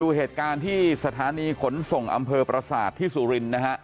ดูเหตุการณ์ที่สถานีขนส่งอำเภอประสาทที่สุรินทร์นะฮะ